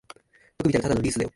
よく見たらただのリースだよ